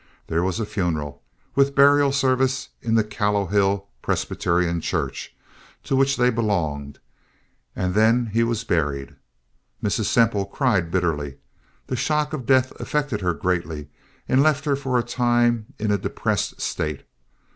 There was a funeral, with burial service in the Callowhill Presbyterian Church, to which they belonged, and then he was buried. Mrs. Semple cried bitterly. The shock of death affected her greatly and left her for a time in a depressed state.